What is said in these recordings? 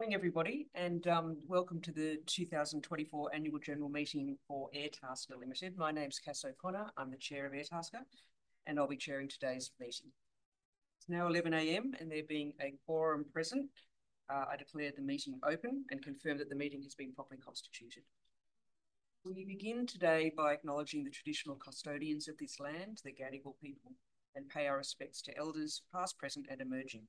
Morning, everybody, and welcome to the 2024 Annual General Meeting for Airtasker Ltd. My name's Cass O'Connor. I'm the Chair of Airtasker Limited, and I'll be chairing today's meeting. It's now 11:00 A.M., and there being a quorum present, I declare the meeting open and confirm that the meeting has been properly constituted. We begin today by acknowledging the traditional custodians of this land, the Gadigal people, and pay our respects to elders past, present, and emerging,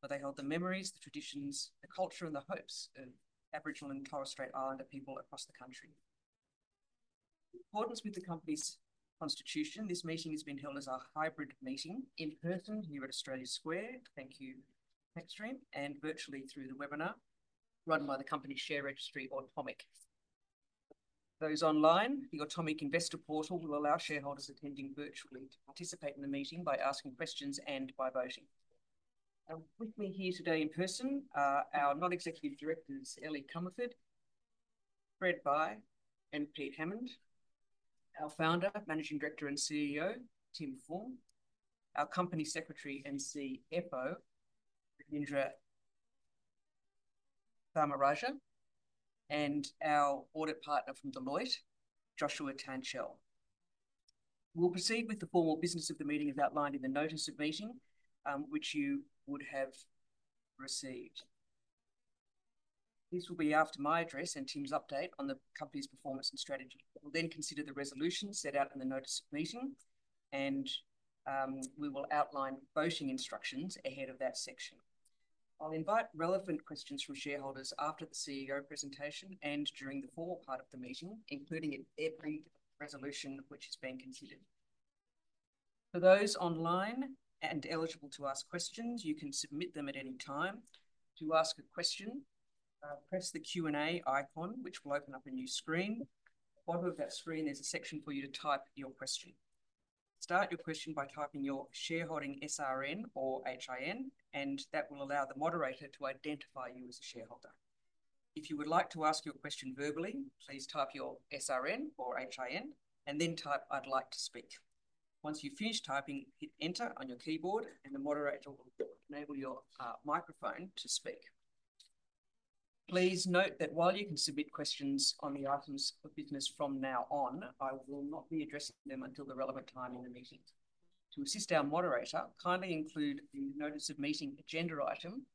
for they hold the memories, the traditions, the culture, and the hopes of Aboriginal and Torres Strait Islander people across the country. In accordance with the Company's Constitution, this meeting has been held as a hybrid meeting in person here at Australia Square, thank you, Tank Stream, and virtually through the webinar run by the Company's share registry, Automic. For those online, the Automic Investor Portal will allow shareholders attending virtually to participate in the meeting by asking questions and by voting. With me here today in person are our non-executive directors, Ellie Comerford, Fred Bai, and Peter Hammond, our founder, Managing Director, and CEO, Tim Fung, our Company Secretary, Mahendra Tharmarajah, and our audit partner from Deloitte, Joshua Tanchel. We'll proceed with the formal business of the meeting as outlined in the notice of meeting, which you would have received. This will be after my address and Tim's update on the Company's performance and strategy. We'll then consider the resolutions set out in the notice of meeting, and we will outline voting instructions ahead of that section. I'll invite relevant questions from shareholders after the CEO presentation and during the formal part of the meeting, including every resolution which has been considered. For those online and eligible to ask questions, you can submit them at any time. To ask a question, press the Q&A icon, which will open up a new screen. At the bottom of that screen, there's a section for you to type your question. Start your question by typing your shareholding SRN or HIN, and that will allow the moderator to identify you as a shareholder. If you would like to ask your question verbally, please type your SRN or HIN and then type "I'd like to speak." Once you've finished typing, hit Enter on your keyboard, and the moderator will enable your microphone to speak. Please note that while you can submit questions on the items of business from now on, I will not be addressing them until the relevant time in the meeting. To assist our moderator, kindly include the notice of meeting agenda item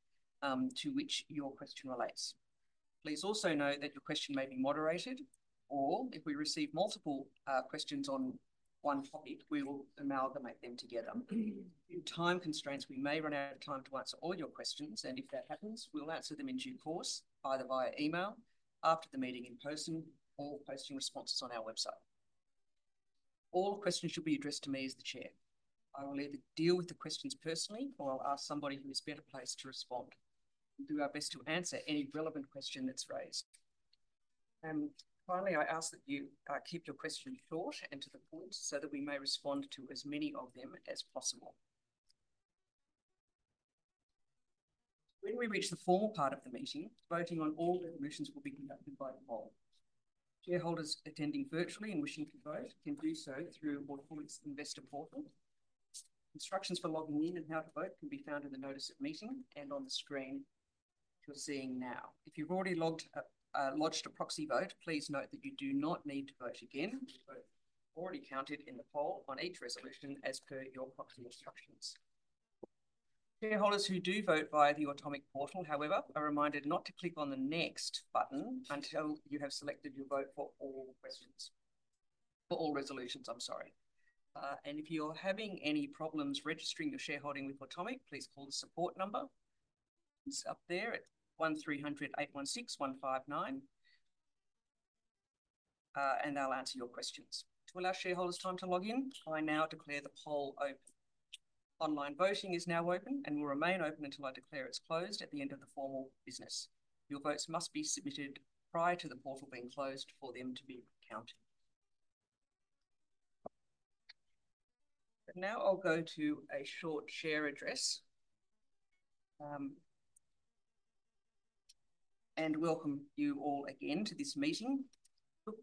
to which your question relates. Please also note that your question may be moderated, or if we receive multiple questions on one topic, we will amalgamate them together. Due to time constraints, we may run out of time to answer all your questions, and if that happens, we'll answer them in due course either via email after the meeting in person or posting responses on our website. All questions should be addressed to me as the Chair. I will either deal with the questions personally or I'll ask somebody who is better placed to respond. We'll do our best to answer any relevant question that's raised. Finally, I ask that you keep your questions short and to the point so that we may respond to as many of them as possible. When we reach the formal part of the meeting, voting on all resolutions will be conducted by poll. Shareholders attending virtually and wishing to vote can do so through Automic's Investor Portal. Instructions for logging in and how to vote can be found in the notice of meeting and on the screen you're seeing now. If you've already lodged a proxy vote, please note that you do not need to vote again. You've already counted in the poll on each resolution as per your proxy instructions. Shareholders who do vote via the Automic portal, however, are reminded not to click on the Next button until you have selected your vote for all resolutions, and if you're having any problems registering your shareholding with Automic, please call the support number up there at 1300 816 159, and they'll answer your questions. To allow shareholders time to log in, I now declare the poll open. Online voting is now open and will remain open until I declare it's closed at the end of the formal business. Your votes must be submitted prior to the portal being closed for them to be counted. Now I'll go to a short chair's address and welcome you all again to this meeting.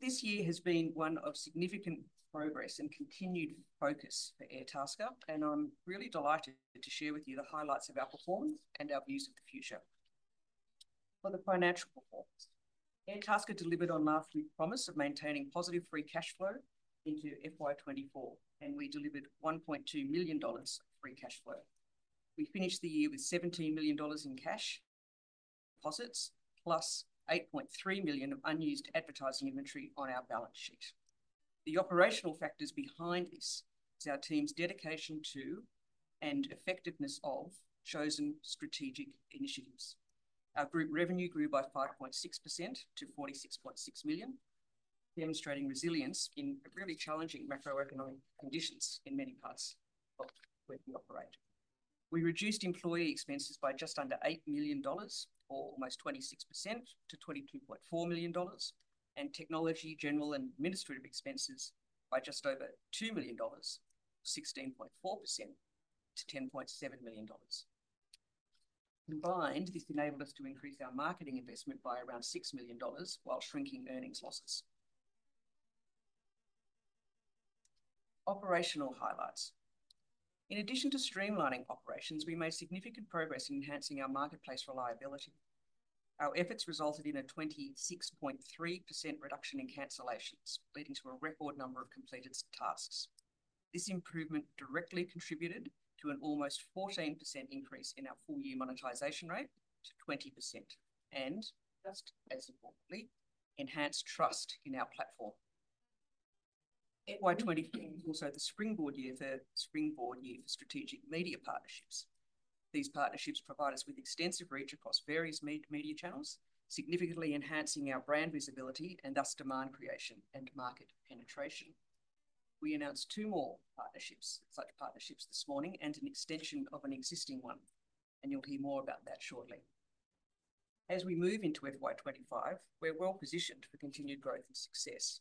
This year has been one of significant progress and continued focus for Airtasker Limited, and I'm really delighted to share with you the highlights of our performance and our views of the future. For the financial performance, Airtasker Limited delivered on last week's promise of maintaining positive free cash flow into FY24, and we delivered 1.2 million dollars of free cash flow. We finished the year with 17 million dollars in cash deposits, plus 8.3 million of unused advertising inventory on our balance sheet. The operational factors behind this are our team's dedication to and effectiveness of chosen strategic initiatives. Our group revenue grew by 5.6% to 46.6 million, demonstrating resilience in really challenging macroeconomic conditions in many parts of where we operate. We reduced employee expenses by just under 8 million dollars, or almost 26%, to 22.4 million dollars, and technology, general, and administrative expenses by just over 2 million dollars, or 16.4%, to 10.7 million dollars. Combined, this enabled us to increase our marketing investment by around 6 million dollars while shrinking earnings losses. Operational highlights: In addition to streamlining operations, we made significant progress in enhancing our marketplace reliability. Our efforts resulted in a 26.3% reduction in cancellations, leading to a record number of completed tasks. This improvement directly contributed to an almost 14% increase in our full-year monetization rate to 20% and, just as importantly, enhanced trust in our platform. FY24 was also the springboard year for strategic media partnerships. These partnerships provide us with extensive reach across various media channels, significantly enhancing our brand visibility and thus demand creation and market penetration. We announced two more partnerships, such partnerships this morning and an extension of an existing one, and you'll hear more about that shortly. As we move into FY25, we're well positioned for continued growth and success.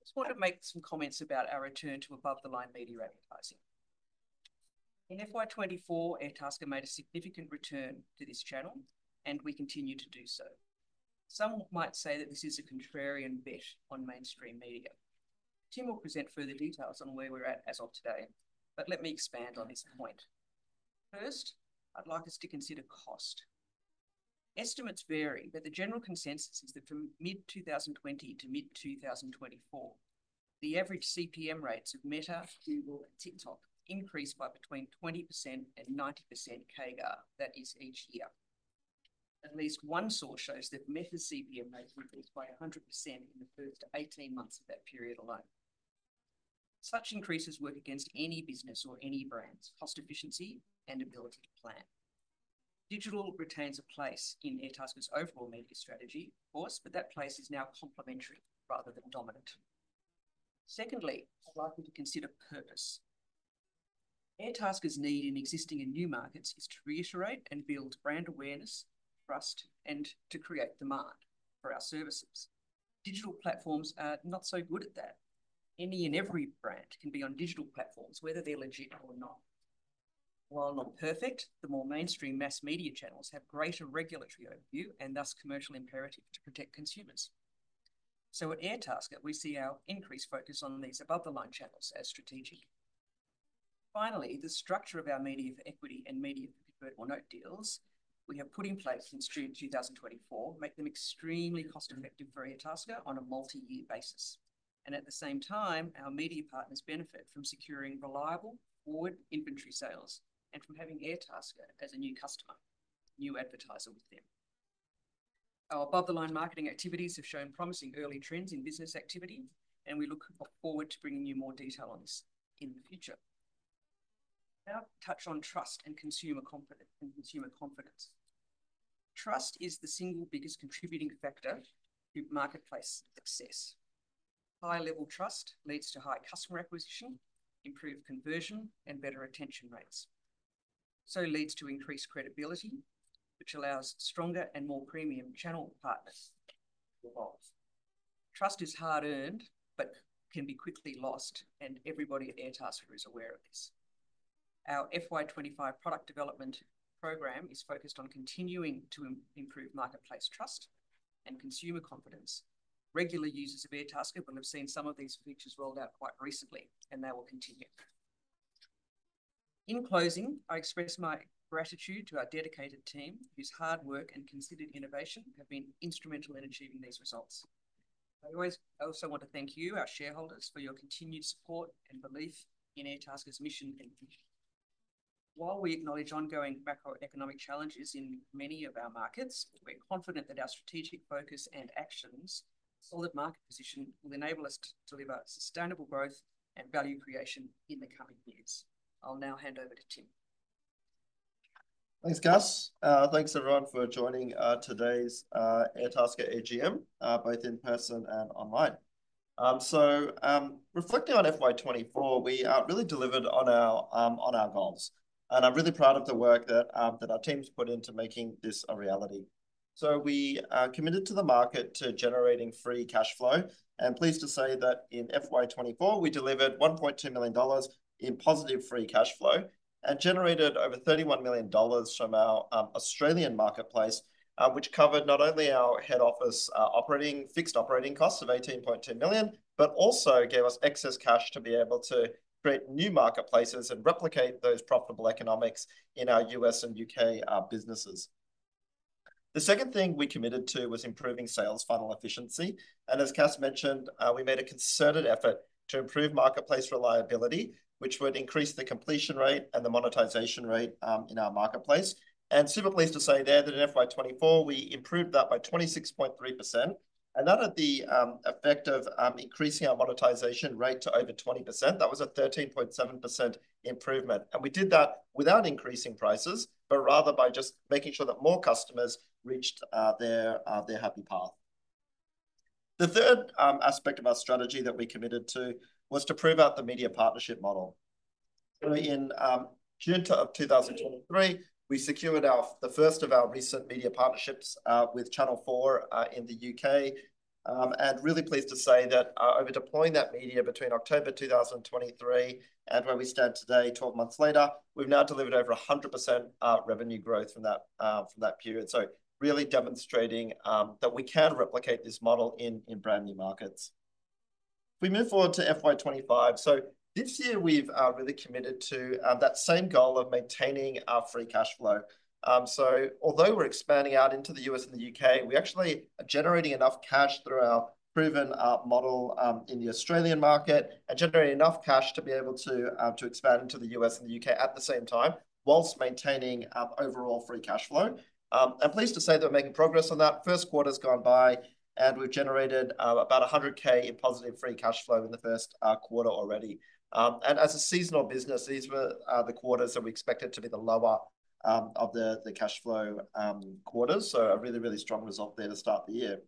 I just want to make some comments about our return to above-the-line media advertising. In FY24, Airtasker made a significant return to this channel, and we continue to do so. Some might say that this is a contrarian bet on mainstream media. Tim will present further details on where we're at as of today, but let me expand on this point. First, I'd like us to consider cost. Estimates vary, but the general consensus is that from mid-2020 to mid-2024, the average CPM rates of Meta, Google, and TikTok increased by between 20% and 90% CAGR, that is, each year. At least one source shows that Meta's CPM rate increased by 100% in the first 18 months of that period alone. Such increases work against any business or any brand's cost efficiency and ability to plan. Digital retains a place in Airtasker's overall media strategy, of course, but that place is now complementary rather than dominant. Secondly, I'd like you to consider purpose. Airtasker's need in existing and new markets is to reiterate and build brand awareness, trust, and to create demand for our services. Digital platforms are not so good at that. Any and every brand can be on digital platforms, whether they're legit or not. While not perfect, the more mainstream mass media channels have greater regulatory overview and thus commercial imperative to protect consumers, so at Airtasker, we see our increased focus on these above-the-line channels as strategic. Finally, the structure of our Media for Equity and Media for Convertible Note deals we have put in place since June 2024 makes them extremely cost-effective for Airtasker on a multi-year basis, and at the same time, our media partners benefit from securing reliable forward inventory sales and from having Airtasker as a new customer, new advertiser with them. Our above-the-line marketing activities have shown promising early trends in business activity, and we look forward to bringing you more detail on this in the future. Now, touch on trust and consumer confidence. Trust is the single biggest contributing factor to marketplace success. High-level trust leads to high customer acquisition, improved conversion, and better retention rates. So it leads to increased credibility, which allows stronger and more premium channel partners. Trust is hard-earned but can be quickly lost, and everybody at Airtasker is aware of this. Our FY25 product development program is focused on continuing to improve marketplace trust and consumer confidence. Regular users of Airtasker will have seen some of these features rolled out quite recently, and they will continue. In closing, I express my gratitude to our dedicated team whose hard work and considered innovation have been instrumental in achieving these results. I also want to thank you, our shareholders, for your continued support and belief in Airtasker's mission and vision. While we acknowledge ongoing macroeconomic challenges in many of our markets, we're confident that our strategic focus and actions, solid market position, will enable us to deliver sustainable growth and value creation in the coming years. I'll now hand over to Tim. Thanks, Cass. Thanks, everyone, for joining today's Airtasker AGM, both in person and online. So reflecting on FY24, we really delivered on our goals, and I'm really proud of the work that our team's put into making this a reality. So we are committed to the market to generating free cash flow, and pleased to say that in FY24, we delivered 1.2 million dollars in positive free cash flow and generated over 31 million dollars from our Australian marketplace, which covered not only our head office fixed operating costs of 18.2 million, but also gave us excess cash to be able to create new marketplaces and replicate those profitable economics in our U.S. and U.K. businesses. The second thing we committed to was improving sales funnel efficiency, and as Cass mentioned, we made a concerted effort to improve marketplace reliability, which would increase the completion rate and the monetization rate in our marketplace, and super pleased to say there that in FY24, we improved that by 26.3%, and that at the effect of increasing our monetization rate to over 20%, that was a 13.7% improvement, and we did that without increasing prices, but rather by just making sure that more customers reached their happy path. The third aspect of our strategy that we committed to was to prove out the media partnership model. So in June of 2023, we secured the first of our recent media partnerships with Channel 4 in the U.K., and really pleased to say that over deploying that media between October 2023 and where we stand today, 12 months later, we've now delivered over 100% revenue growth from that period, so really demonstrating that we can replicate this model in brand new markets. If we move forward to FY25, so this year we've really committed to that same goal of maintaining our free cash flow. So although we're expanding out into the U.S. and the U.K., we actually are generating enough cash through our proven model in the Australian market and generating enough cash to be able to expand into the U.S. and the U.K. at the same time whilst maintaining overall free cash flow. And pleased to say that we're making progress on that. First quarter's gone by, and we've generated about 100,000 in positive free cash flow in the first quarter already, and as a seasonal business, these were the quarters that we expected to be the lower of the cash flow quarters, so a really, really strong result there to start the year.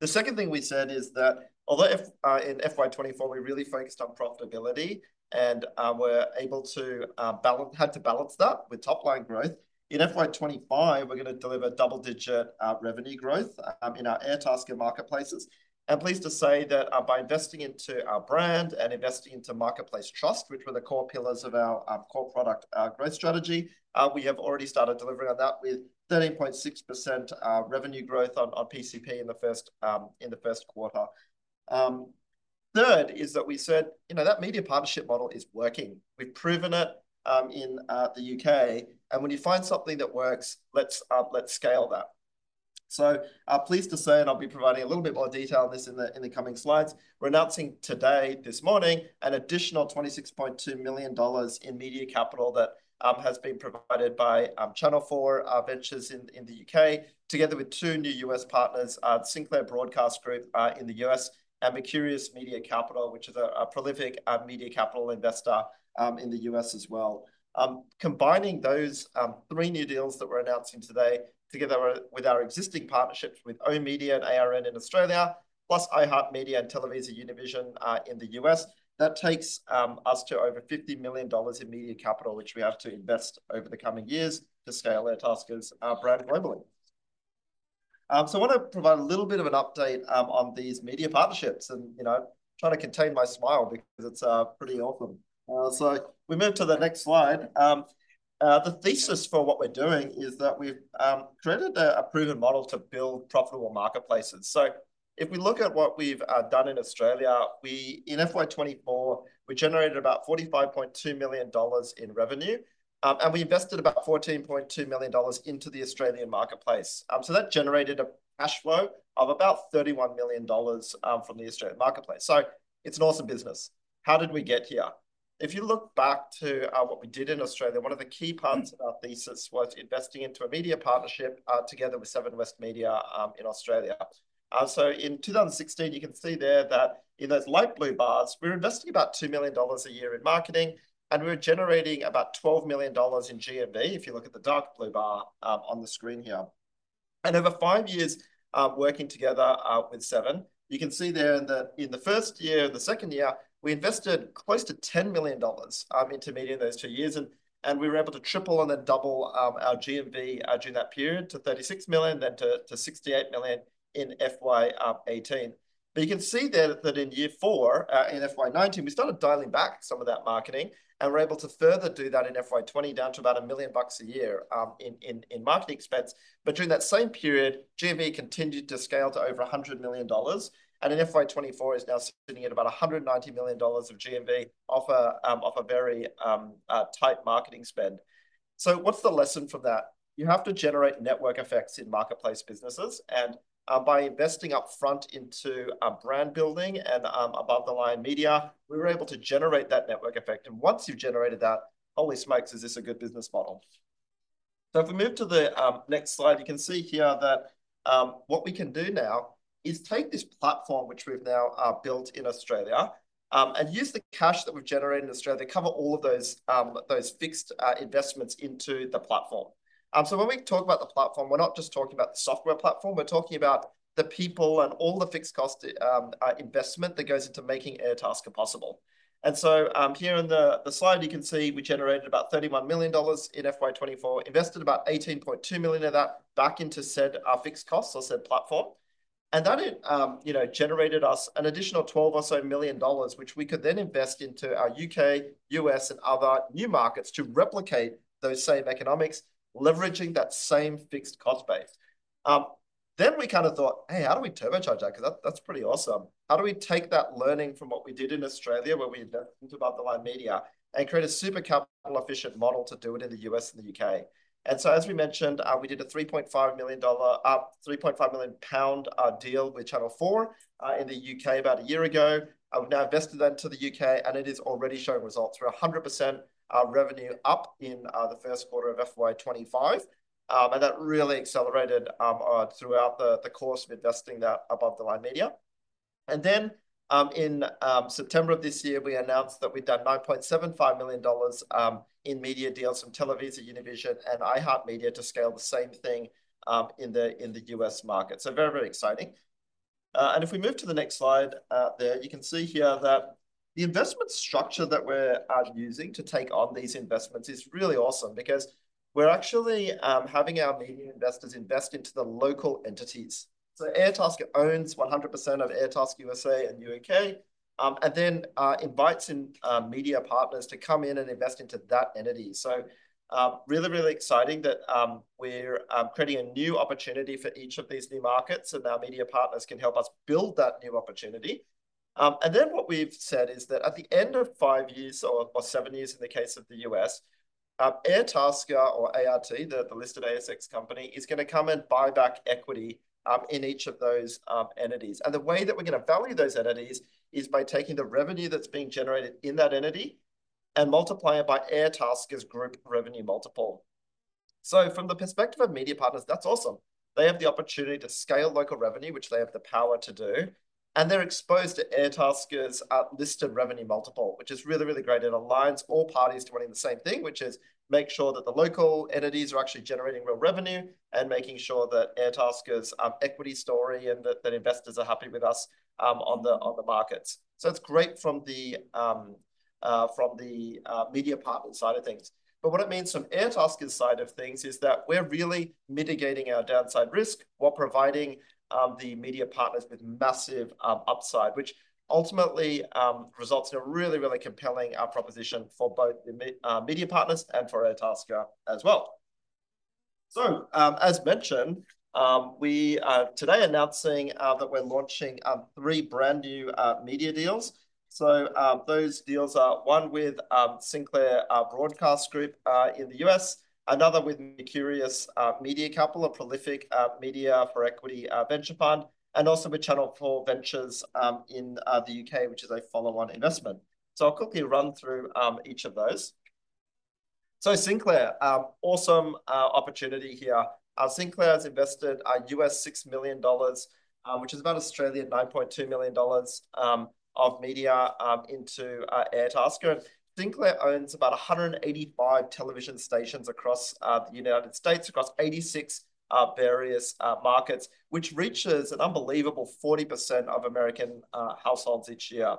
The second thing we said is that although in FY24 we really focused on profitability and were able to balance, had to balance that with top-line growth, in FY25 we're going to deliver double-digit revenue growth in our Airtasker marketplaces, and pleased to say that by investing into our brand and investing into marketplace trust, which were the core pillars of our core product growth strategy, we have already started delivering on that with 13.6% revenue growth on PCP in the first quarter. Third is that we said, you know, that media partnership model is working. We've proven it in the U.K., and when you find something that works, let's scale that. So pleased to say, and I'll be providing a little bit more detail on this in the coming slides, we're announcing today, this morning, an additional $26.2 million in media capital that has been provided by Channel 4 Ventures in the U.K., together with two new U.S. partners, Sinclair Broadcast Group in the U.S. and Mercurius Media Capital, which is a prolific media capital investor in the U.S. as well. Combining those three new deals that we're announcing today together with our existing partnerships with oOh!media and ARN in Australia, plus iHeartMedia and TelevisaUnivision in the U.S., that takes us to over $50 million in media capital, which we have to invest over the coming years to scale Airtasker's brand globally. I want to provide a little bit of an update on these media partnerships, and you know, trying to contain my smile because it's pretty awesome. We move to the next slide. The thesis for what we're doing is that we've created a proven model to build profitable marketplaces. If we look at what we've done in Australia, in FY24, we generated about 45.2 million dollars in revenue, and we invested about 14.2 million dollars into the Australian marketplace. That generated a cash flow of about 31 million dollars from the Australian marketplace. It's an awesome business. How did we get here? If you look back to what we did in Australia, one of the key parts of our thesis was investing into a media partnership together with Seven West Media in Australia. In 2016, you can see there that in those light blue bars, we're investing about $2 million a year in marketing, and we're generating about $12 million in GMV if you look at the dark blue bar on the screen here. Over five years working together with Seven, you can see there in the first year and the second year, we invested close to $10 million in total in those two years, and we were able to triple and then double our GMV during that period to $36 million, then to $68 million in FY18. But you can see there that in year four, in FY19, we started dialing back some of that marketing, and we're able to further do that in FY20 down to about $1 million a year in marketing expense. But during that same period, GMV continued to scale to over 100 million dollars, and in FY24 is now sitting at about 190 million dollars of GMV off a very tight marketing spend. So what's the lesson from that? You have to generate network effects in marketplace businesses, and by investing upfront into brand building and above-the-line media, we were able to generate that network effect. And once you've generated that, holy smokes, is this a good business model. So if we move to the next slide, you can see here that what we can do now is take this platform, which we've now built in Australia, and use the cash that we've generated in Australia to cover all of those fixed investments into the platform. When we talk about the platform, we're not just talking about the software platform. We're talking about the people and all the fixed cost investment that goes into making Airtasker scaling possible. Here on the slide, you can see we generated about 31 million dollars in FY24, invested about 18.2 million of that back into said fixed costs or said platform, and that, you know, generated us an additional 12 million or so, which we could then invest into our UK, US, and other new markets to replicate those same economics, leveraging that same fixed cost base. We kind of thought, hey, how do we turbocharge that? Because that's pretty awesome. How do we take that learning from what we did in Australia where we invested into above-the-line media and create a super capital efficient model to do it in the US and the UK? As we mentioned, we did a 3.5 million pound deal with Channel 4 in the U.K. about a year ago. We've now invested that into the U.K., and it is already showing results. We're 100% revenue up in the first quarter of FY25, and that really accelerated throughout the course of investing that above-the-line media. Then in September of this year, we announced that we'd done $9.75 million in media deals from TelevisaUnivision and iHeartMedia to scale the same thing in the U.S. market. So very, very exciting. If we move to the next slide there, you can see here that the investment structure that we're using to take on these investments is really awesome because we're actually having our media investors invest into the local entities. So Airtasker owns 100% of Airtasker USA and U.K., and then invites in media partners to come in and invest into that entity. So really, really exciting that we're creating a new opportunity for each of these new markets, so now media partners can help us build that new opportunity. And then what we've said is that at the end of five years or seven years in the case of the U.S., Airtasker or ART, the listed ASX company, is going to come and buy back equity in each of those entities. And the way that we're going to value those entities is by taking the revenue that's being generated in that entity and multiplying it by Airtasker's group revenue multiple. So from the perspective of media partners, that's awesome. They have the opportunity to scale local revenue, which they have the power to do, and they're exposed to Airtasker Limited's listed revenue multiple, which is really, really great. It aligns all parties to wanting the same thing, which is make sure that the local entities are actually generating real revenue and making sure that Airtasker Limited's equity story and that investors are happy with us on the markets. So it's great from the media partner side of things. But what it means from Airtasker Limited's side of things is that we're really mitigating our downside risk while providing the media partners with massive upside, which ultimately results in a really, really compelling proposition for both the media partners and for Airtasker Limited as well. So, as mentioned, we are today announcing that we're launching three brand new media deals. So those deals are one with Sinclair Broadcast Group in the U.S., another with Mercurius Media Capital, a prolific media for equity venture fund, and also with Channel 4 Ventures in the U.K., which is a follow-on investment. So I'll quickly run through each of those. So Sinclair, awesome opportunity here. Sinclair has invested $6 million, which is about 9.2 million dollars of media into Airtasker. Sinclair owns about 185 television stations across the United States, across 86 various markets, which reaches an unbelievable 40% of American households each year.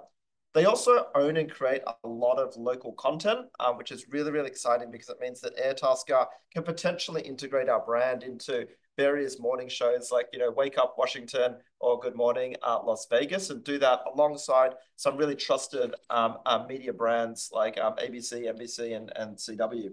They also own and create a lot of local content, which is really, really exciting because it means that Airtasker can potentially integrate our brand into various morning shows like, you know, Wake Up Washington or Good Morning Las Vegas and do that alongside some really trusted media brands like ABC, NBC, and CW.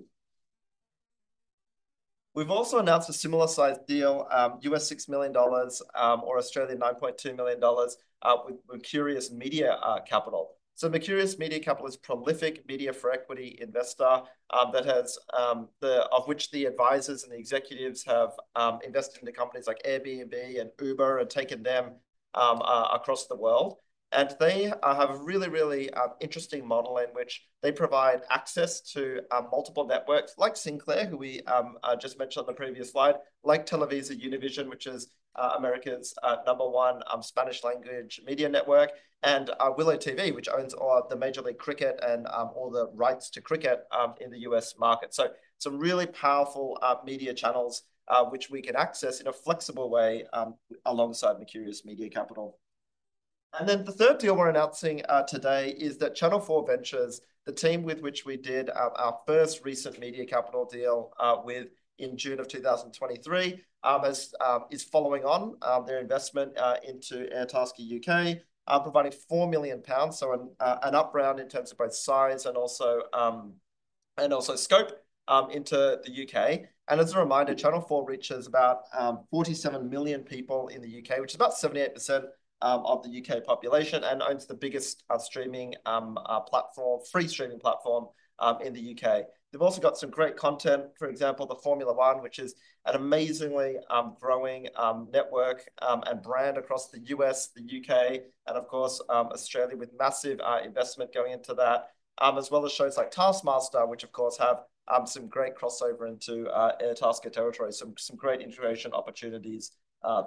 We've also announced a similar sized deal, $6 million or 9.2 million dollars with Mercurius Media Capital. Mercurius Media Capital is a prolific media for equity investor that has the, of which the advisors and the executives have invested into companies like Airbnb and Uber and taken them across the world. They have a really, really interesting model in which they provide access to multiple networks like Sinclair, who we just mentioned on the previous slide, like TelevisaUnivision, which is America's number one Spanish language media network, and Willow TV, which owns all of the Major League Cricket and all the rights to cricket in the U.S. market. Some really powerful media channels which we can access in a flexible way alongside Mercurius Media Capital. And then the third deal we're announcing today is that Channel 4 Ventures, the team with which we did our first recent media capital deal with in June of 2023, is following on their investment into Airtasker UK, providing 4 million pounds, so an up round in terms of both size and also scope into the U.K. And as a reminder, Channel 4 reaches about 47 million people in the U.K., which is about 78% of the U.K. population and owns the biggest streaming platform, free streaming platform in the U.K. They've also got some great content, for example, the Formula One, which is an amazingly growing network and brand across the U.S., the U.K., and of course Australia with massive investment going into that, as well as shows like Taskmaster, which of course have some great crossover into Airtasker territory, some great integration opportunities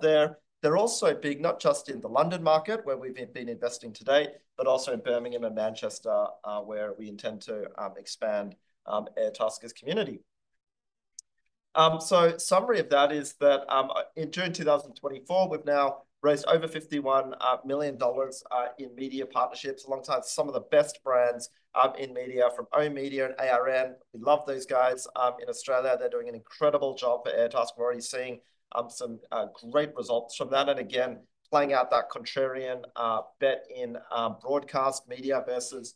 there. They're also big, not just in the London market where we've been investing today, but also in Birmingham and Manchester where we intend to expand Airtasker's community. So summary of that is that in June 2024, we've now raised over $51 million in media partnerships alongside some of the best brands in media from oOh!media and ARN. We love those guys in Australia. They're doing an incredible job for Airtasker. We're already seeing some great results from that. And again, playing out that contrarian bet in broadcast media versus,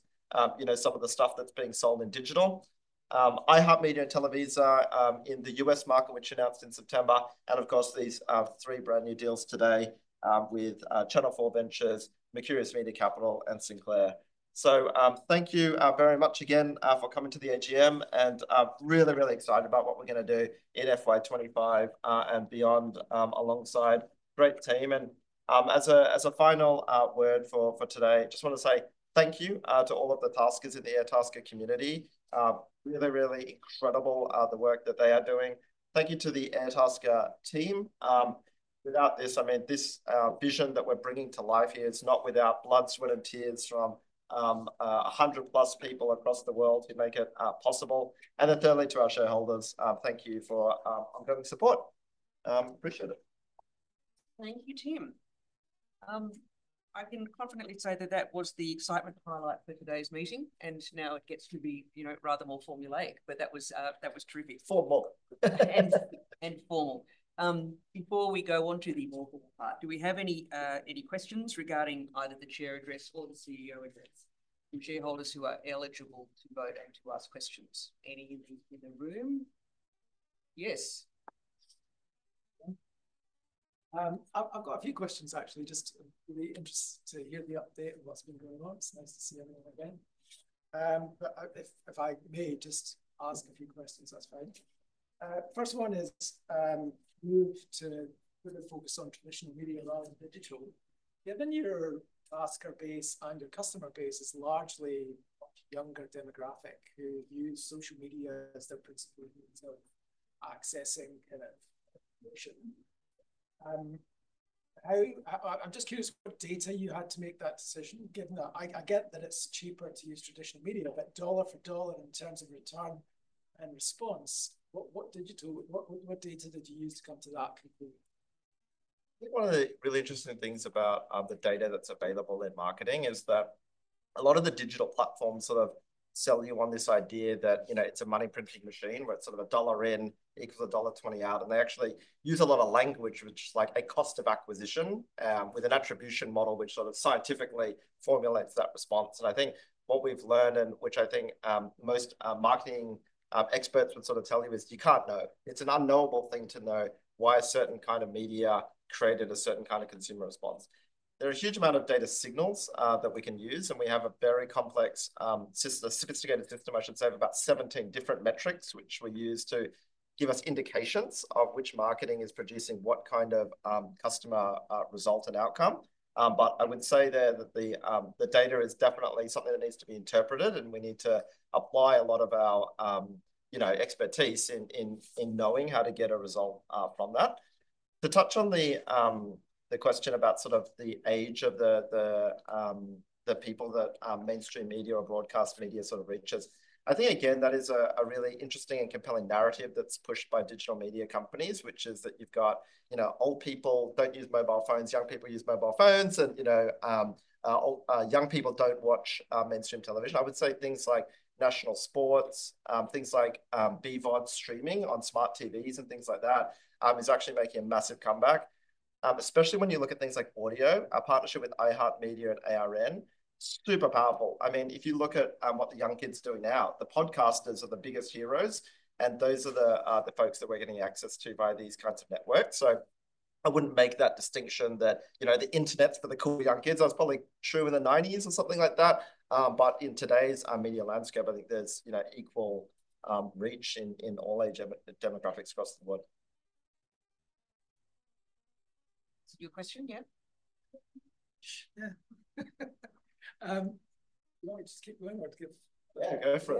you know, some of the stuff that's being sold in digital, iHeartMedia and Televisa in the U.S. market, which announced in September, and of course these three brand new deals today with Channel 4 Ventures, Mercurius Media Capital, and Sinclair. So thank you very much again for coming to the AGM, and really, really excited about what we're going to do in FY25 and beyond alongside a great team. And as a final word for today, I just want to say thank you to all of the taskers in the Airtasker’s exciting community. Really, really incredible the work that they are doing. Thank you to the Airtasker’s exciting team. Without this, I mean, this vision that we're bringing to life here is not without blood, sweat, and tears from 100 plus people across the world who make it possible. And then thirdly, to our shareholders, thank you for ongoing support. Appreciate it. Thank you, team. I can confidently say that that was the excitement highlight for today's meeting, and now it gets to be, you know, rather more formulaic, but that was, that was true before. Before we go on to the more formal part, do we have any questions regarding either the chair address or the CEO address from shareholders who are eligible to vote and to ask questions? Any in the room? Yes. I've got a few questions, actually. Just really interested to hear the update and what's been going on. It's nice to see everyone again. But if I may just ask a few questions, that's fine. First one is, moved to focus on traditional media rather than digital, given your Tasker base and your customer base is largely a younger demographic who use social media as their principal means of accessing kind of information. I'm just curious what data you had to make that decision, given that I get that it's cheaper to use traditional media, but dollar for dollar in terms of return and response, what digital, what data did you use to come to that conclusion? I think one of the really interesting things about the data that's available in marketing is that a lot of the digital platforms sort of sell you on this idea that, you know, it's a money printing machine where it's sort of a $1 in equals a $1.20 out, and they actually use a lot of language, which is like a cost of acquisition with an attribution model which sort of scientifically formulates that response. I think what we've learned and which I think most marketing experts would sort of tell you is you can't know. It's an unknowable thing to know why a certain kind of media created a certain kind of consumer response. There are a huge amount of data signals that we can use, and we have a very complex, sophisticated system, I should say, of about 17 different metrics, which we use to give us indications of which marketing is producing what kind of customer result and outcome. But I would say there that the data is definitely something that needs to be interpreted, and we need to apply a lot of our, you know, expertise in knowing how to get a result from that. To touch on the question about sort of the age of the people that mainstream media or broadcast media sort of reaches, I think again, that is a really interesting and compelling narrative that's pushed by digital media companies, which is that you've got, you know, old people don't use mobile phones, young people use mobile phones, and, you know, young people don't watch mainstream television. I would say things like national sports, things like BVOD streaming on smart TVs and things like that is actually making a massive comeback, especially when you look at things like audio, our partnership with iHeartMedia and ARN, super powerful. I mean, if you look at what the young kids are doing now, the podcasters are the biggest heroes, and those are the folks that we're getting access to by these kinds of networks. So I wouldn't make that distinction that, you know, the internet's for the cool young kids. That's probably true in the 1990s or something like that. But in today's media landscape, I think there's, you know, equal reach in all age demographics across the world. Is it your question yet? Yeah. No, just keep going. Go for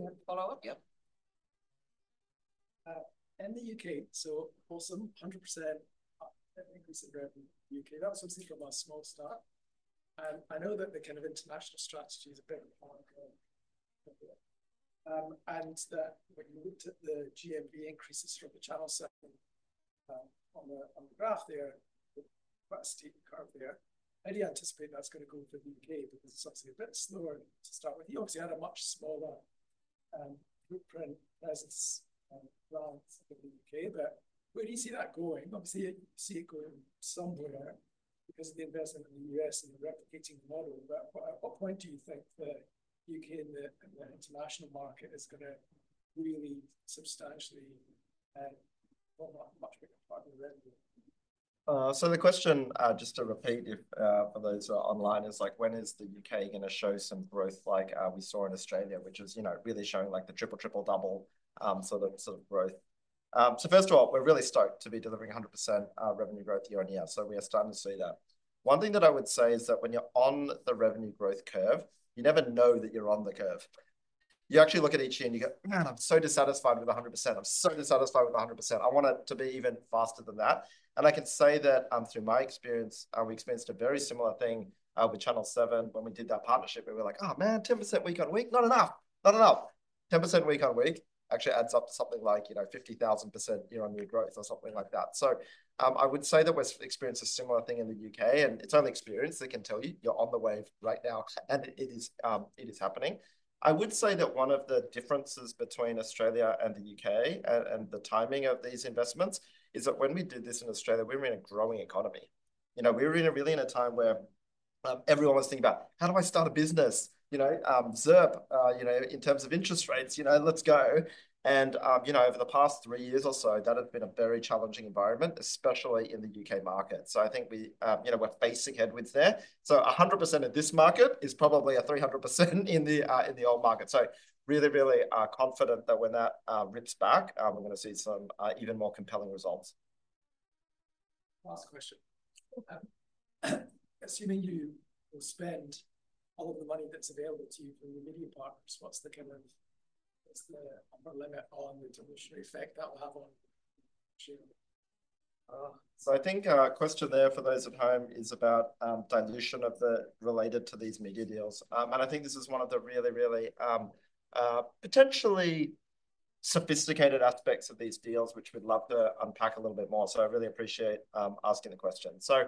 it. Follow up. Yep. And the U.K., so awesome, 100% increase in revenue in the U.K. That was obviously from a small start. I know that the kind of international strategy is a bit ongoing. And when you looked at the GMV increases from the Channel 7 on the graph there, quite a steep curve there. How do you anticipate that's going to go for the U.K.? Because it's obviously a bit slower to start with. You obviously had a much smaller brand presence rather than in the U.K., but where do you see that going? Obviously, you see it going somewhere because of the investment in the U.S. and the replicating model. But at what point do you think the U.K. and the international market is going to really substantially form a much bigger part of the revenue? So the question, just to repeat for those who are online, is like when is the U.K. going to show some growth like we saw in Australia, which is, you know, really showing like the triple, triple, double sort of growth. So first of all, we're really stoked to be delivering 100% revenue growth year on year. So we are starting to see that. One thing that I would say is that when you're on the revenue growth curve, you never know that you're on the curve. You actually look at each year and you go, "Man, I'm so dissatisfied with 100%. I'm so dissatisfied with 100%. I want it to be even faster than that." And I can say that through my experience, we experienced a very similar thing with Channel 7 when we did that partnership. We were like, "Oh man, 10% week on week, not enough, not enough." 10% week on week actually adds up to something like, you know, 50,000% year on year growth or something like that. So I would say that we've experienced a similar thing in the U.K., and it's only experience that can tell you you're on the wave right now. And it is happening. I would say that one of the differences between Australia and the U.K. and the timing of these investments is that when we did this in Australia, we were in a growing economy. You know, we were really in a time where everyone was thinking about, "How do I start a business?" You know, ZIRP, you know, in terms of interest rates, you know, let's go, and, you know, over the past three years or so, that has been a very challenging environment, especially in the U.K. market. So I think we, you know, we're facing headwinds there. So 100% of this market is probably a 300% in the old market. So really, really confident that when that rips back, we're going to see some even more compelling results. Last question. Assuming you will spend all of the money that's available to you from your media partners, what's the kind of, what's the upper limit on the dilution effect that will have on shareholders? So I think a question there for those at home is about dilution of the related to these media deals. And I think this is one of the really, really potentially sophisticated aspects of these deals, which we'd love to unpack a little bit more. So I really appreciate asking the question. So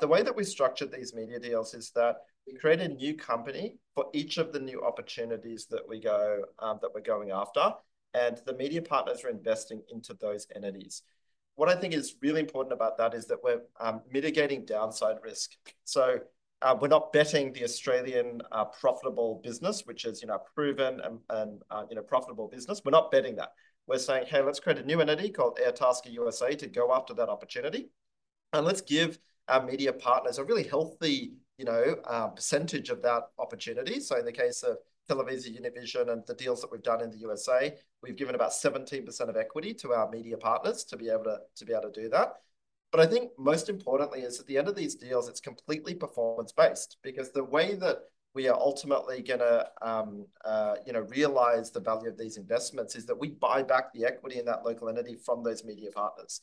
the way that we structured these media deals is that we created a new company for each of the new opportunities that we're going after, and the media partners are investing into those entities. What I think is really important about that is that we're mitigating downside risk. So we're not betting the Australian profitable business, which is, you know, proven and, you know, profitable business. We're not betting that. We're saying, "Hey, let's create a new entity called Airtasker USA to go after that opportunity. Let's give our media partners a really healthy, you know, percentage of that opportunity." In the case of TelevisaUnivision and the deals that we've done in the USA, we've given about 17% of equity to our media partners to be able to do that. I think most importantly is at the end of these deals, it's completely performance-based because the way that we are ultimately going to, you know, realize the value of these investments is that we buy back the equity in that local entity from those media partners.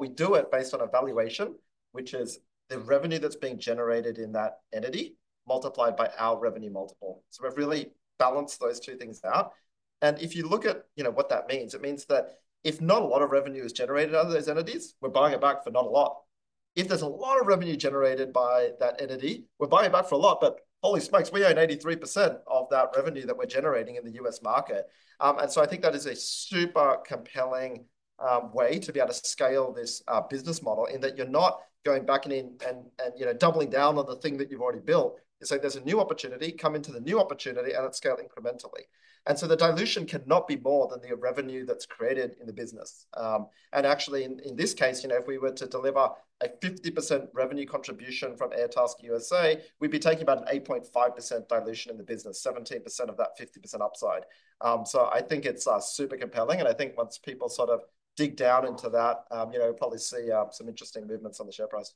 We do it based on a valuation, which is the revenue that's being generated in that entity multiplied by our revenue multiple. We've really balanced those two things out. And if you look at, you know, what that means, it means that if not a lot of revenue is generated out of those entities, we're buying it back for not a lot. If there's a lot of revenue generated by that entity, we're buying it back for a lot, but holy smokes, we own 83% of that revenue that we're generating in the U.S. market, and so I think that is a super compelling way to be able to scale this business model in that you're not going back and, you know, doubling down on the thing that you've already built. It's like there's a new opportunity, come into the new opportunity and it's scaled incrementally, and so the dilution cannot be more than the revenue that's created in the business. And actually in this case, you know, if we were to deliver a 50% revenue contribution from Airtasker USA, we'd be taking about an 8.5% dilution in the business, 17% of that 50% upside. So I think it's super compelling. And I think once people sort of dig down into that, you know, we'll probably see some interesting movements on the share price.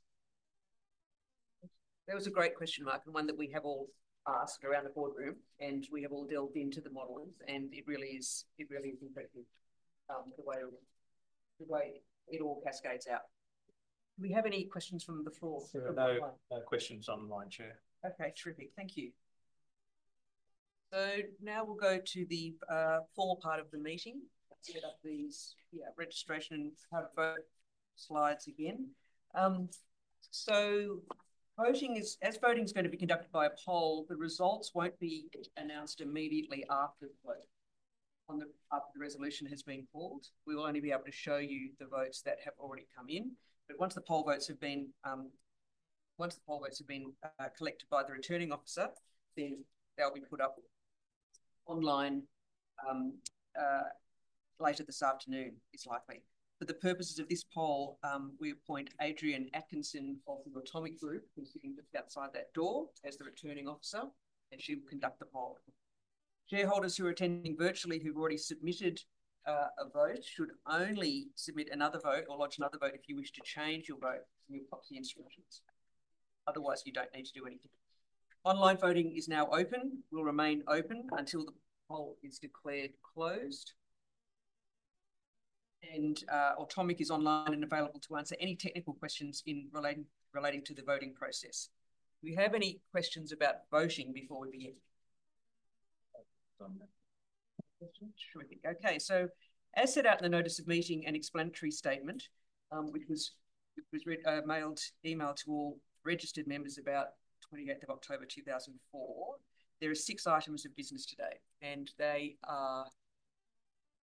That was a great question, Mark, and one that we have all asked around the boardroom and we have all delved into the models. And it really is, it really is impressive the way it all cascades out. Do we have any questions from the floor? No questions on the line, Chair. Okay, terrific. Thank you. So now we'll go to the formal part of the meeting. Let's get up these, yeah, registration and have a vote slides again. Voting is going to be conducted by a poll, the results won't be announced immediately after the vote. After the resolution has been called, we will only be able to show you the votes that have already come in. But once the poll votes have been collected by the returning officer, then they'll be put up online later this afternoon, it's likely. For the purposes of this poll, we appoint Adrienne Atkinson of the Automic Group, who's sitting just outside that door as the returning officer, and she will conduct the poll. Shareholders who are attending virtually, who've already submitted a vote, should only submit another vote or lodge another vote if you wish to change your vote and you'll copy the instructions. Otherwise, you don't need to do anything. Online voting is now open. We'll remain open until the poll is declared closed. Automic is online and available to answer any technical questions relating to the voting process. Do we have any questions about voting before we begin? Sure. Okay. As set out in the notice of meeting and explanatory statement, which was mailed email to all registered members about 28th of October 2023, there are six items of business today, and they are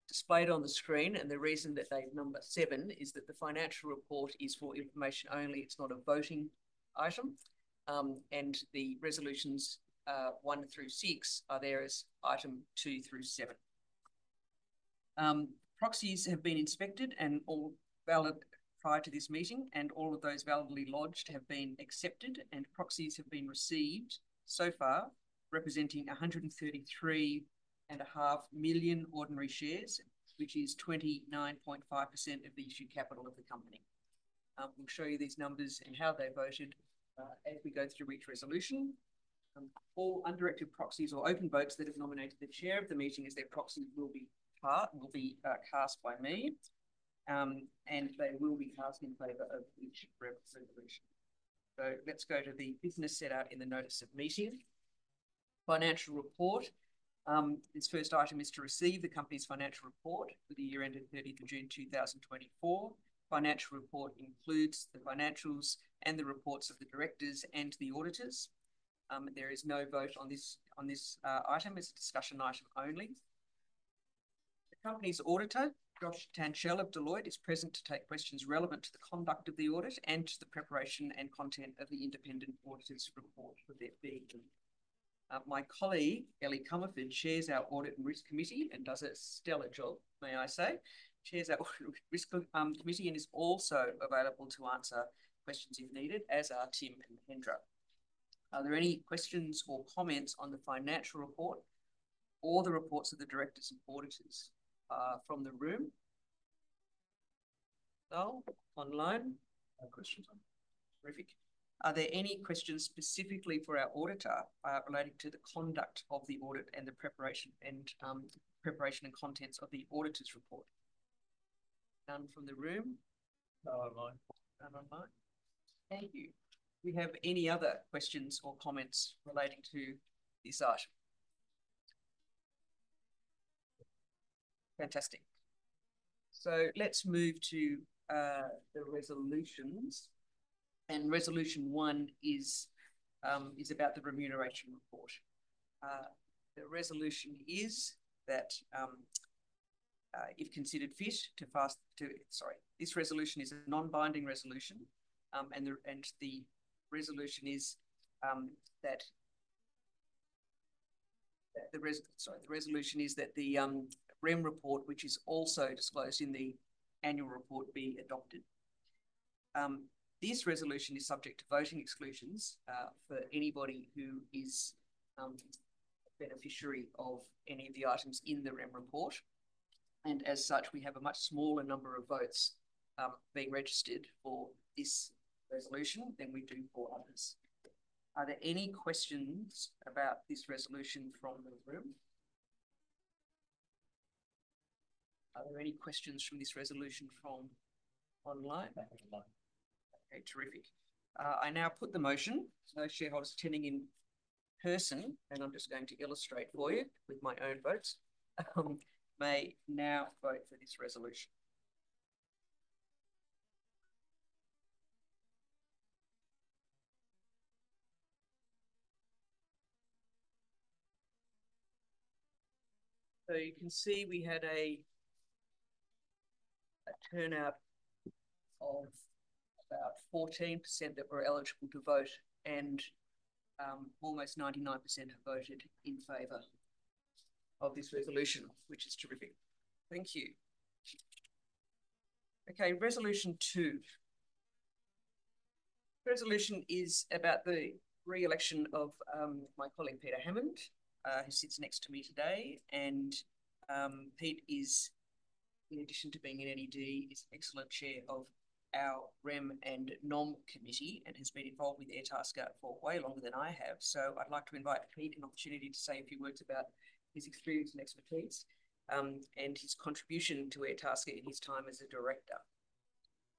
displayed on the screen. The reason that they're number seven is that the financial report is for information only. It's not a voting item. The resolutions one through six are there as item two through seven. Proxies have been inspected and all valid prior to this meeting, and all of those validly lodged have been accepted, and proxies have been received so far, representing 133.5 million ordinary shares, which is 29.5% of the issued capital of the company. We'll show you these numbers and how they voted as we go through each resolution. All undirected proxies or open votes that have nominated the chair of the meeting as their proxy will be cast by me, and they will be cast in favor of each representation, so let's go to the business set out in the notice of meeting. Financial report. This first item is to receive the company's financial report for the year ended 30th of June 2024. Financial report includes the financials and the reports of the directors and the auditors. There is no vote on this item as a discussion item only. The company's auditor, Joshua Tanchel of Deloitte, is present to take questions relevant to the conduct of the audit and to the preparation and content of the independent auditor's report for their fee. My colleague, Ellie Comerford, chairs our audit and risk committee and does a stellar job, may I say, chairs our audit and risk committee and is also available to answer questions if needed, as are Tim and Mahendra. Are there any questions or comments on the financial report or the reports of the directors and auditors from the room? No? Online? No questions online. Terrific. Are there any questions specifically for our auditor relating to the conduct of the audit and the preparation and contents of the auditor's report? None from the room? No online. None online. Thank you. Do we have any other questions or comments relating to this item? Fantastic. Let's move to the resolutions. Resolution one is about the remuneration report. This resolution is a non-binding resolution. The resolution is that the remuneration report, which is also disclosed in the annual report, be adopted. This resolution is subject to voting exclusions for anybody who is a beneficiary of any of the items in the remuneration report. As such, we have a much smaller number of votes being registered for this resolution than we do for others. Are there any questions about this resolution from the room? Are there any questions about this resolution from online? Okay, terrific. I now put the motion. No shareholders attending in person, and I'm just going to illustrate for you with my own votes, may now vote for this resolution. So you can see we had a turnout of about 14% that were eligible to vote, and almost 99% have voted in favor of this resolution, which is terrific. Thank you. Okay, resolution two. Resolution is about the re-election of my colleague, Peter Hammond, who sits next to me today. Pete is, in addition to being in NED, an excellent chair of our Rem and Nom committee and has been involved with Airtasker for way longer than I have. So I'd like to invite Pete an opportunity to say a few words about his experience and expertise and his contribution to Airtasker in his time as a director.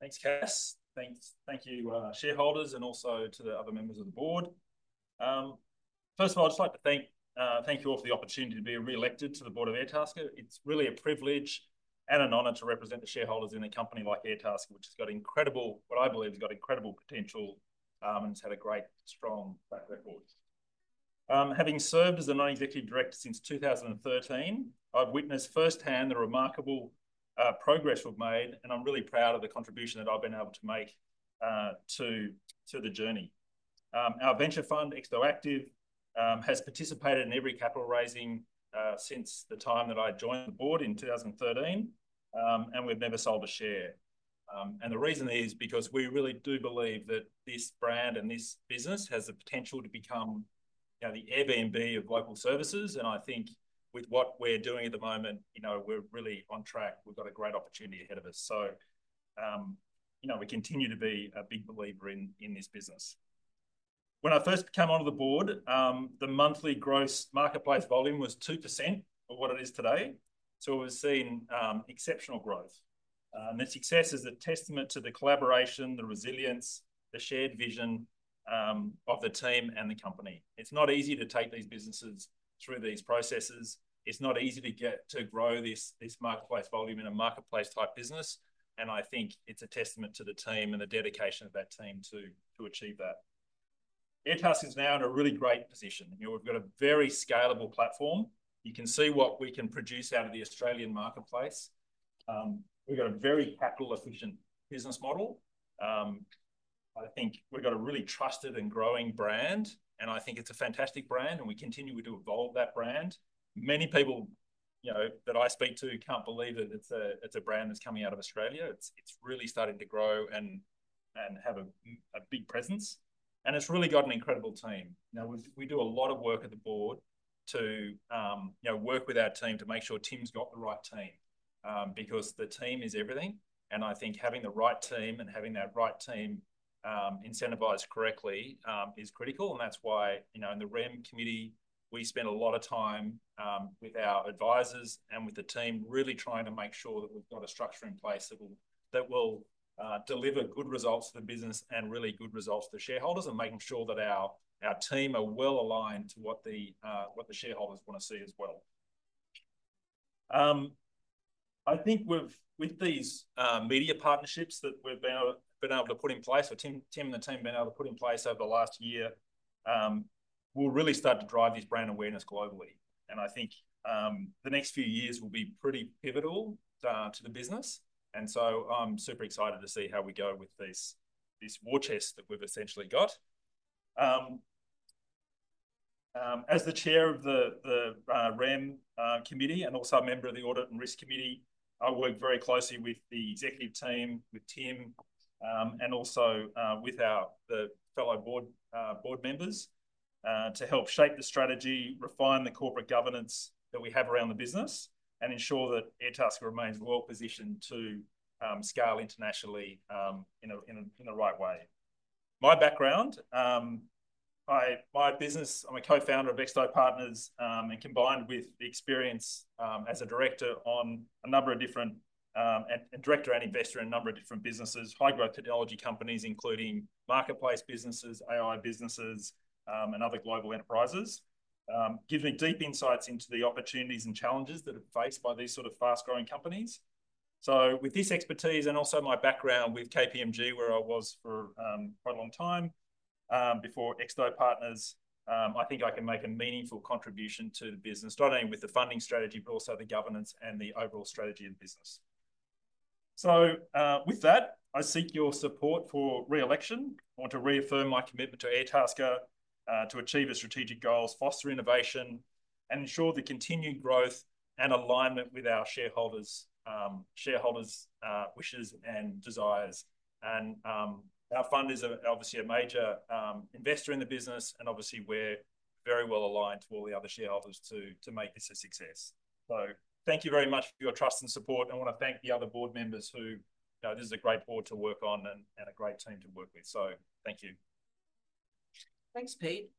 Thanks, Cass. Thanks. Thank you, shareholders, and also to the other members of the board. First of all, I'd just like to thank you all for the opportunity to be re-elected to the board of Airtasker. It's really a privilege and an honor to represent the shareholders in a company like Airtasker, which has got incredible, what I believe has got incredible potential and has had a great, strong track record. Having served as a non-executive director since 2013, I've witnessed firsthand the remarkable progress we've made, and I'm really proud of the contribution that I've been able to make to the journey. Our venture fund, Exto Active, has participated in every capital raising since the time that I joined the board in 2013, and we've never sold a share. And the reason is because we really do believe that this brand and this business has the potential to become, you know, the Airbnb of local services. I think with what we're doing at the moment, you know, we're really on track. We've got a great opportunity ahead of us. So, you know, we continue to be a big believer in this business. When I first came onto the board, the monthly gross marketplace volume was 2% of what it is today. So we've seen exceptional growth. And the success is a testament to the collaboration, the resilience, the shared vision of the team and the company. It's not easy to take these businesses through these processes. It's not easy to get to grow this marketplace volume in a marketplace type business. And I think it's a testament to the team and the dedication of that team to achieve that. Airtasker is now in a really great position. We've got a very scalable platform. You can see what we can produce out of the Australian marketplace. We've got a very capital-efficient business model. I think we've got a really trusted and growing brand. And I think it's a fantastic brand. And we continue to evolve that brand. Many people, you know, that I speak to can't believe that it's a brand that's coming out of Australia. It's really starting to grow and have a big presence. And it's really got an incredible team. Now, we do a lot of work at the board to, you know, work with our team to make sure Tim's got the right team because the team is everything. And I think having the right team and having that right team incentivised correctly is critical. That's why, you know, in the rem committee, we spend a lot of time with our advisors and with the team really trying to make sure that we've got a structure in place that will deliver good results for the business and really good results for the shareholders and making sure that our team are well aligned to what the shareholders want to see as well. I think with these media partnerships that we've been able to put in place, or Tim and the team have been able to put in place over the last year, we'll really start to drive this brand awareness globally. I think the next few years will be pretty pivotal to the business. I'm super excited to see how we go with this war chest that we've essentially got. As the chair of the REM committee and also a member of the audit and risk committee, I work very closely with the executive team, with Tim, and also with the fellow board members to help shape the strategy, refine the corporate governance that we have around the business, and ensure that Airtasker remains well positioned to scale internationally in the right way. My background, my business, I'm a co-founder of Exto Partners and combined with the experience as a director on a number of different and director and investor in a number of different businesses, high-growth technology companies, including marketplace businesses, AI businesses, and other global enterprises, gives me deep insights into the opportunities and challenges that are faced by these sort of fast-growing companies. With this expertise and also my background with KPMG, where I was for quite a long time before Exto Partners, I think I can make a meaningful contribution to the business, not only with the funding strategy, but also the governance and the overall strategy of the business. With that, I seek your support for re-election. I want to reaffirm my commitment to Airtasker to achieve its strategic goals, foster innovation, and ensure the continued growth and alignment with our shareholders' wishes and desires. Our fund is obviously a major investor in the business, and obviously we're very well aligned to all the other shareholders to make this a success. Thank you very much for your trust and support. I want to thank the other board members who, you know, this is a great board to work on and a great team to work with. Thank you. Thanks, Pete.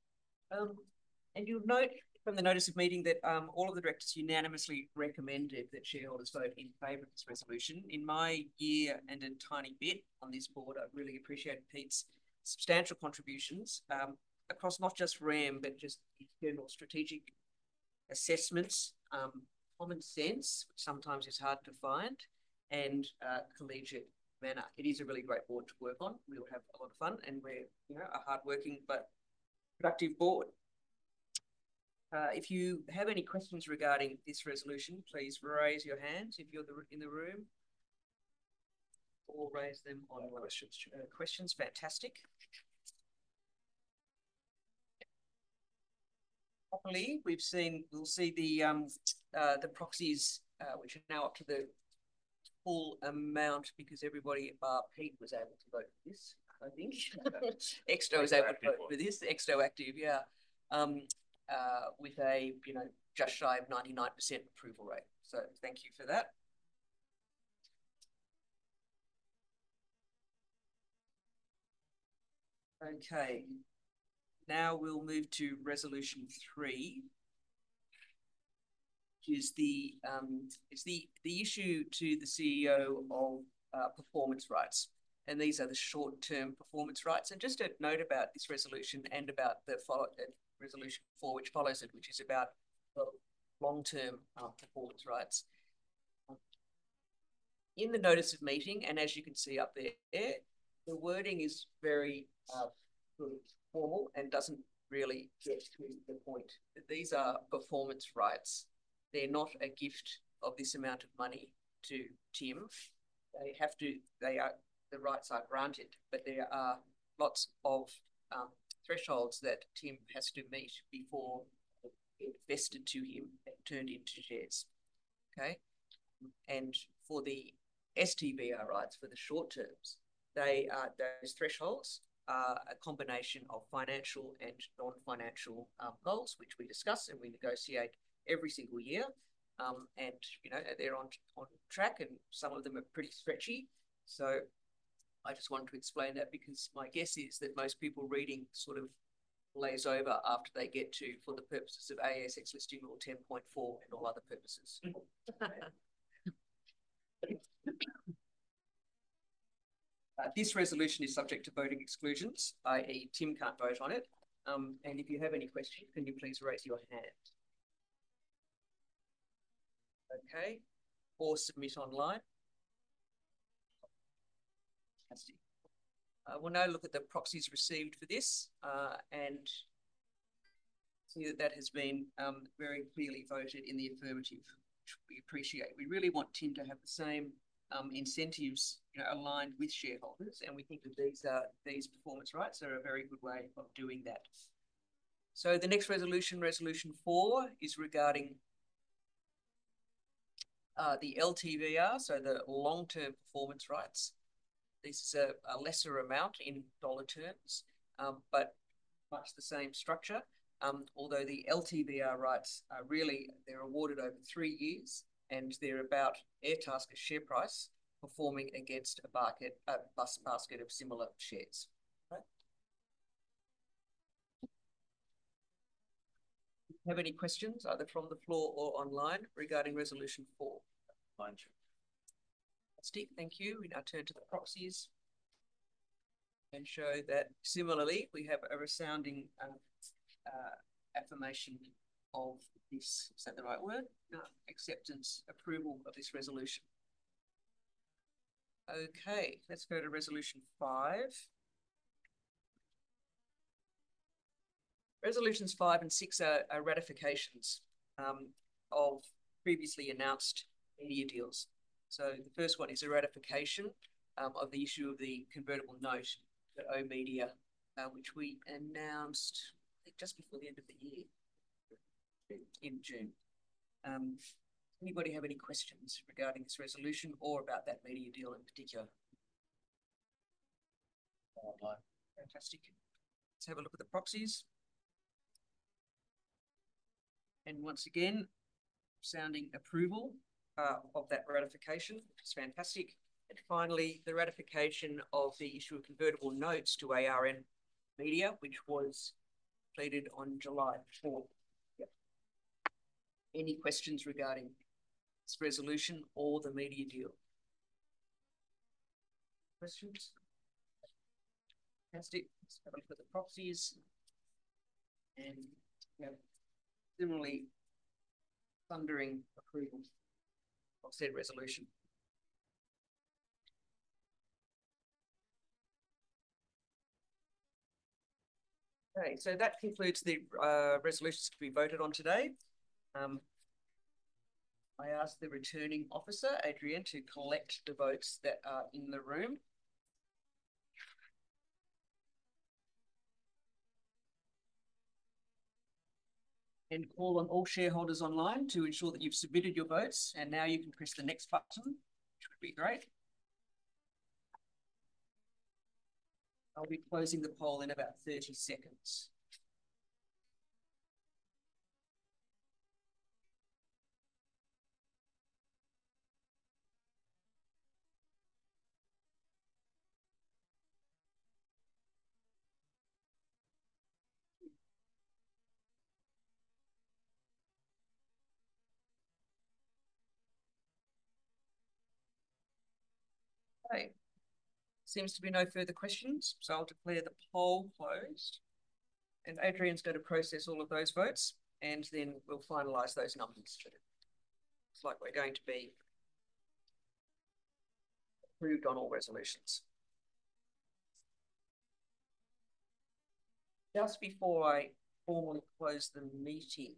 You'll note from the notice of meeting that all of the directors unanimously recommended that shareholders vote in favor of this resolution. In my year and a tiny bit on this board, I really appreciate Pete's substantial contributions across not just REM, but just internal strategic assessments, common sense, which sometimes is hard to find, and collegiate manner. It is a really great board to work on. We will have a lot of fun and we're, you know, a hardworking but productive board. If you have any questions regarding this resolution, please raise your hands if you're in the room or raise them on questions. Fantastic. Now, we'll see the proxies, which are now up to the full amount because everybody but Pete was able to vote for this, I think. Exto was able to vote for this. Exto Active, yeah, with, you know, just shy of 99% approval rate. So thank you for that. Okay. Now we'll move to resolution three, which is the issue to the CEO of performance rights. And these are the short-term performance rights. And just a note about this resolution and about the resolution four, which follows it, which is about long-term performance rights. In the notice of meeting, and as you can see up there, the wording is very formal and doesn't really get to the point. These are performance rights. They're not a gift of this amount of money to Tim. They have to, the rights are granted, but there are lots of thresholds that Tim has to meet before vested to him and turned into shares. Okay? For the STVR rights, for the short terms, those thresholds are a combination of financial and non-financial goals, which we discuss and we negotiate every single year. You know, they're on track and some of them are pretty stretchy. I just want to explain that because my guess is that most people reading sort of glaze over after they get to, for the purposes of ASX listing or 10.14 and all other purposes. This resolution is subject to voting exclusions, i.e., Tim can't vote on it. If you have any questions, can you please raise your hand? Okay. Or submit online. Fantastic. We'll now look at the proxies received for this and see that that has been very clearly voted in the affirmative, which we appreciate. We really want Tim to have the same incentives, you know, aligned with shareholders. We think that these performance rights are a very good way of doing that. The next resolution, resolution four, is regarding the LTVR, so the long-term performance rights. This is a lesser amount in dollar terms, but much the same structure. Although the LTVR rights are really, they're awarded over three years and they're about Airtasker's share price performing against a basket of similar shares. Do you have any questions, either from the floor or online, regarding resolution four? Thank you. We now turn to the proxies and show that similarly, we have a resounding affirmation of this. Is that the right word? Acceptance, approval of this resolution. Okay. Let's go to resolution five. Resolutions five and six are ratifications of previously announced media deals. So the first one is a ratification of the issue of the convertible note to oOh!media, which we announced, I think, just before the end of the year, in June. Anybody have any questions regarding this resolution or about that media deal in particular? Fantastic. Let's have a look at the proxies. And once again, resounding approval of that ratification, which is fantastic. And finally, the ratification of the issue of convertible notes to ARN Media, which was completed on July 4th. Any questions regarding this resolution or the media deal? Questions? Fantastic. Let's have a look at the proxies. And we have similarly thundering approval of said resolution. Okay. So that concludes the resolutions to be voted on today. I ask the returning officer, Adrianne, to collect the votes that are in the room and call on all shareholders online to ensure that you've submitted your votes. And now you can press the next button, which would be great. I'll be closing the poll in about 30 seconds. Okay. Seems to be no further questions. So I'll declare the poll closed. And Adrian's going to process all of those votes, and then we'll finalize those numbers. Looks like we're going to be approved on all resolutions. Just before I formally close the meeting,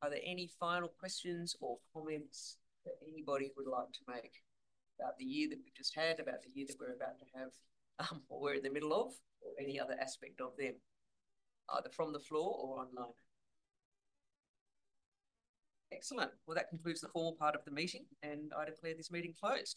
are there any final questions or comments that anybody would like to make about the year that we've just had, about the year that we're about to have or we're in the middle of, or any other aspect of them, either from the floor or online? Excellent. Well, that concludes the formal part of the meeting, and I declare this meeting closed.